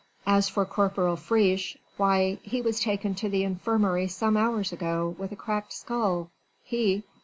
As for Corporal Friche, why! he was taken to the infirmary some hours ago with a cracked skull, he...."